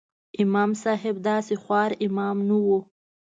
امام صاحب داسې خوار امام نه و.